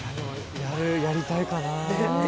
やりたいかな。